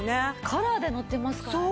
カラーで載ってますからね。